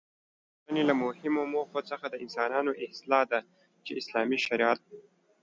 د روزنې له مهمو موخو څخه د انسانانو اصلاح ده چې اسلامي شريعت